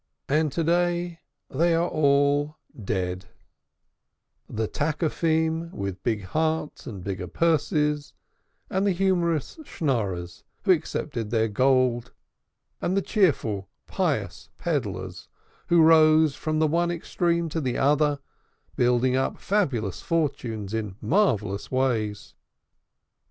And to day they are alt dead the Takeefim with big hearts and bigger purses, and the humorous Schnorrers, who accepted their gold, and the cheerful pious peddlers who rose from one extreme to the other, building up fabulous fortunes in marvellous ways.